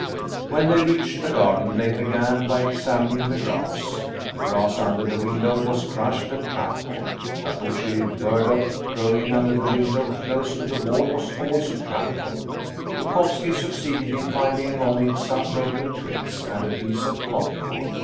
When they reached the garden they began by examin ing the grass. The grass under the window was crushed and trampled. A bushy burdock growing under the win dow close to the wall was also trampled. Dukovski suc ceeded in finding on it some broken twigs and a piece of cotton wool.